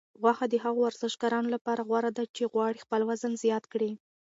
غوښه د هغو ورزشکارانو لپاره غوره ده چې غواړي خپل وزن زیات کړي.